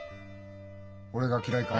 俺が嫌いか？